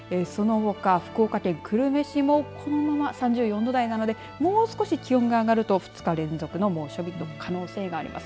そのほか、福岡県久留米市もこのまま、３４度台なのでもう少し気温が上がると２日連続の猛暑日の可能性があります。